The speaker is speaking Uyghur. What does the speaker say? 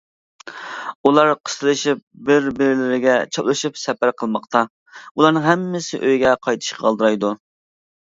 ئۇلار قىستىلىشىپ، بىر- بىرلىرىگە چاپلىشىپ سەپەر قىلماقتا، ئۇلارنىڭ ھەممىسى ئۆيىگە قايتىشقا ئالدىرايدۇ.